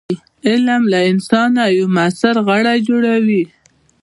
علم له انسانه یو موثر غړی جوړوي.